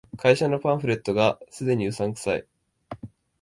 会社のパンフレットが既にうさんくさい